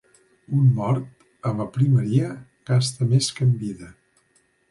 Un mort, a la primeria, gasta més que en vida.